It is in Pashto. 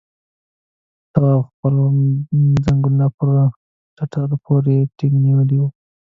تواب خپل ځنګنونه پر ټټر پورې ټينګ نيولي وو.